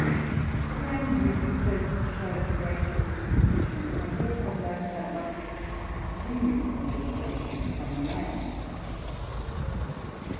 The Grand Duke at first showed gracious dispositions, and L. Mozart must have wished to continue the negotiations from Milan.